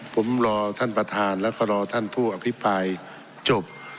ผมรอท่านประธานแล้วก็รอท่านผู้อภิปรายจบ